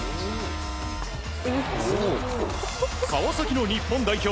川崎の日本代表